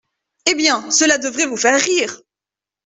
Eh bien, cela devrait vous faire rire !